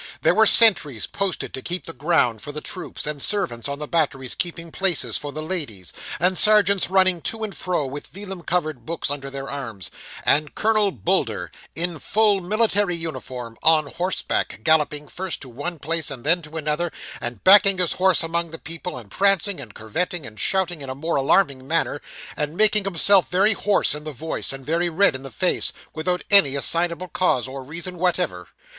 There were sentries posted to keep the ground for the troops, and servants on the batteries keeping places for the ladies, and sergeants running to and fro, with vellum covered books under their arms, and Colonel Bulder, in full military uniform, on horseback, galloping first to one place and then to another, and backing his horse among the people, and prancing, and curvetting, and shouting in a most alarming manner, and making himself very hoarse in the voice, and very red in the face, without any assignable cause or reason whatever.